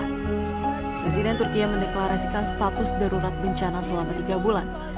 residen turkiye mendeklarasikan status darurat bencana selama tiga bulan